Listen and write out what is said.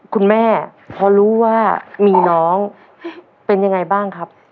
คุณแม่พอรู้ว่ามีน้องเป็นยังไงบ้างครับ